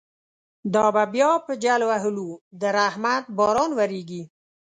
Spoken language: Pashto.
دابه بیا په جل وهلو، درحمت باران وریږی